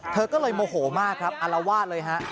เธอก็เลยโอ้โหมท์มากอลวาดเลย